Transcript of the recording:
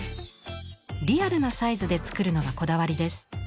リアルなサイズで作るのがこだわりです。